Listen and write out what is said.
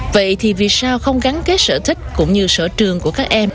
vậy thì vì sao không gắn kết sở thích cũng như sở trường của các em